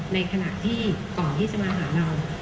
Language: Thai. ในขณะที่ก่อนที่จะมาหาเรา